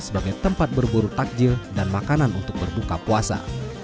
sebagai tempat berburu takjil dan makanan untuk berbuka puasa